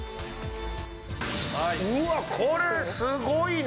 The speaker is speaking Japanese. うわっこれすごいな。